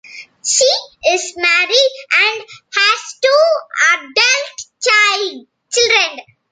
She is married and has two adult children.